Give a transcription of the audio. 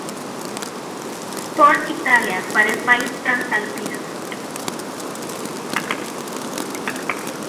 Sport Italia, para el país transalpino.